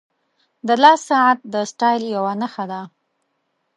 • د لاس ساعت د سټایل یوه نښه ده.